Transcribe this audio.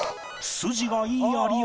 筋がいい有吉